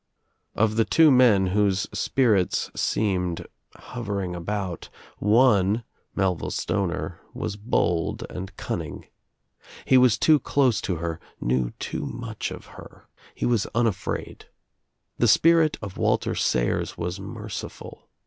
Of the two men whose spirits seemed hovering about one, Melville Stoner, was bold and cunning. He was too close to her, knew too much of her. He was unafraid. The spirit of Walter Sayers was mere!* ful.